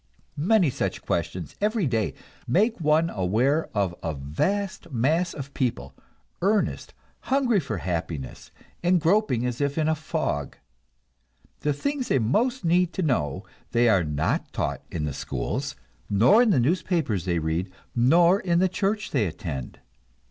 Many such questions every day make one aware of a vast mass of people, earnest, hungry for happiness, and groping as if in a fog. The things they most need to know they are not taught in the schools, nor in the newspapers they read, nor in the church they attend.